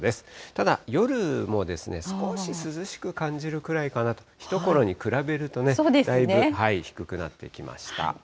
ただ夜も少し涼しく感じるぐらいかな、ひところに比べるとね、だいぶ低くなってきました。